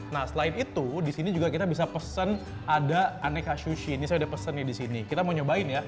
nah selain itu disini juga kita bisa pesen ada aneka sushi ini saya udah pesennya disini kita mau nyobain ya